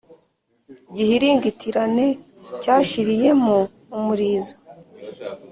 Gihiringitirane cyashiriyemo umurizo,